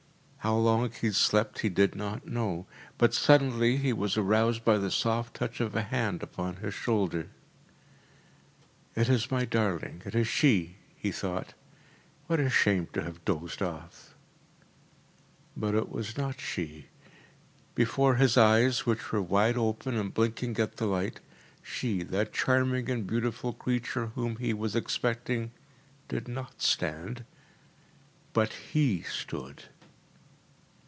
How long he had slept he did not know, but he was suddenly aroused by the soft touch of a hand upon his shoulder. “It is my darling, it is she,‚ÄĚ he thought. “What a shame to have dozed off!‚ÄĚ But it was not she. Before his eyes, which were wide open and blinking at the light, she, that charming and beautiful creature whom he was expecting, did not stand, but HE stood.